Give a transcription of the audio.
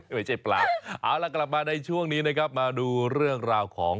ไม่ใช่ปลาเอาล่ะกลับมาในช่วงนี้นะครับมาดูเรื่องราวของ